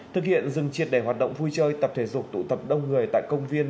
thực hiện dừng triệt để hoạt động vui chơi tập thể dục tụ tập đông người tại công viên